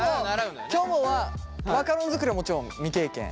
きょもはマカロン作りはもちろん未経験。